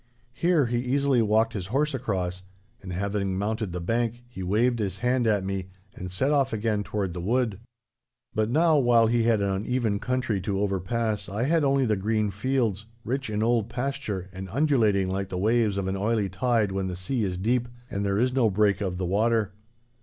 Here he easily walked his horse across, and, having mounted the bank, he waved his hand at me and set off again toward the wood. But now while he had an uneven country to overpass I had only the green fields, rich in old pasture and undulating like the waves of an oily tide when the sea is deep, and there is no break of the water.